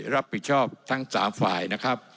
รับผิดชอบทั้ง๓ฝ่ายนะครับ